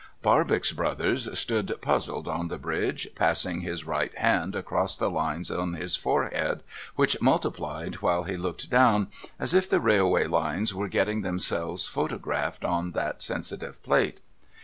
Barbox Brothers stood puzzled on the bridge, passing his right hand across the lines on his forehead, which multiplied while he looked down, as if the railway Lines were getting themselves photo graphed on that sensitive plate.